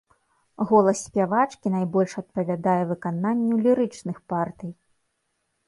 Голас спявачкі найбольш адпавядае выкананню лірычных партый.